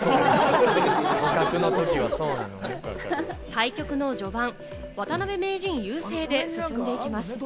対局の序盤、渡辺名人優勢で進んでいきます。